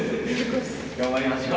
頑張りましょう。